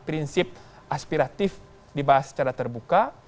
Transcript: prinsip aspiratif dibahas secara terbuka